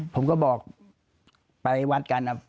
ผมก็บอกไปวัดกัน